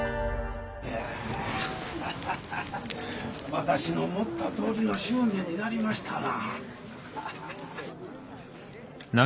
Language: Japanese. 私の思ったとおりの祝言になりましたな。